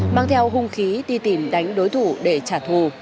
mang theo hung khí đi tìm đánh đối thủ để trả thù